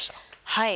はい！